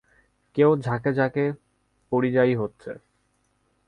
কেউ ঝাঁকে ঝাঁকে পরিযায়ী হচ্ছে।